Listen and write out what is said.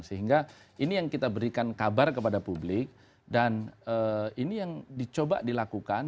sehingga ini yang kita berikan kabar kepada publik dan ini yang dicoba dilakukan